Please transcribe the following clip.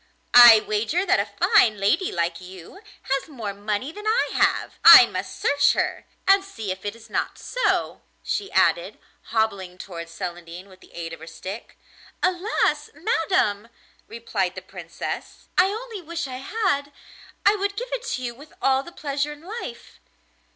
I wager that a fine lady like you has more money than I have. I must search her, and see if it is not so,' she added, hobbling towards Celandine with the aid of her stick. 'Alas! madam,' replied the Princess, 'I only wish I had. I would give it to you with all the pleasure in life.